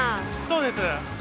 そうです。